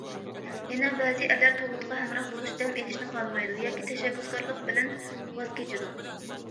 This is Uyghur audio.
يەنە بەزى ئەرلەر تۇغۇتقا ھەمراھ بولۇش دەم ئېلىشىنى خالىمايدۇ ياكى تەشەببۇسكارلىق بىلەن ۋاز كېچىدۇ.